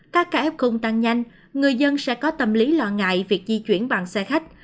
các ca f tăng nhanh người dân sẽ có tâm lý lo ngại việc di chuyển bằng xe khách